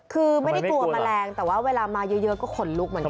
คือไม่ได้กลัวแมลงแต่ว่าเวลามาเยอะก็ขนลุกเหมือนกัน